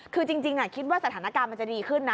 คือจริงคิดว่าสถานการณ์มันจะดีขึ้นนะ